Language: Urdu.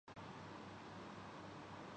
کہ آیا اچھا ٹی ٹؤنٹی کپتان